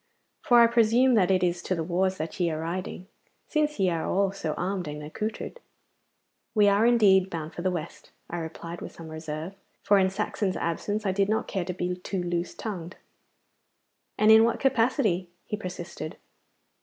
For I presume that it is to the wars that ye are riding, since ye are all so armed and accoutred.' 'We are indeed bound for the West,' I replied, with some reserve, for in Saxon's absence I did not care to be too loose tongued. 'And in what capacity?' he persisted.